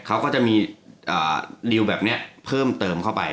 เขาก็จะมีดิวแบบนี้เพิ่มเติมเข้าไป